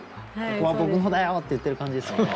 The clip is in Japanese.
ここは僕のだよって言ってる感じですね。